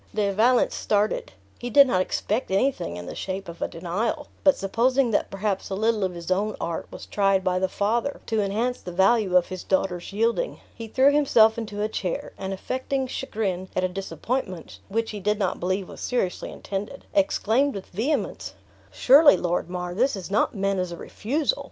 De Valence started. He did not expect anything in the shape of a denial; but supposing that perhaps a little of his own art was tried by the father to enhance the value of his daughter's yielding, he threw himself into a chair, and affecting chagrin at a disappointment (which he did not believe was seriously intended), exclaimed with vehemence, "Surely, Lord Mar, this is not meant as a refusal?